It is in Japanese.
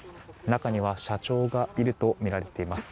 中には社長がいるとみられています。